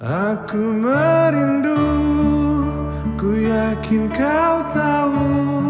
aku merindu ku yakin kau tahu